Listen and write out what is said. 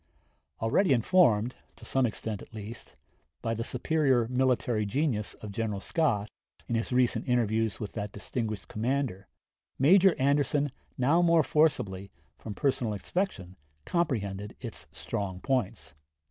Already informed, to some extent at least, by the superior military genius of General Scott, in his recent interviews with that distinguished commander, Major Anderson now more forcibly, from personal inspection, comprehended its strong points.